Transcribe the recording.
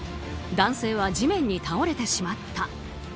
男性は地面に倒れてしまった。